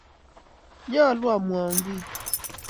Nyaluu amwaun giy